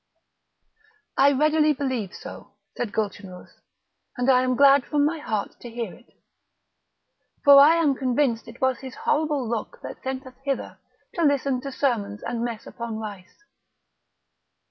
"I readily believe so," said Gulchenrouz, "and I am glad from my heart to hear it; for I am convinced it was his horrible look that sent us hither to listen to sermons and mess upon rice."